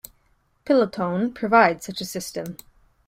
Pilottone provides such a system.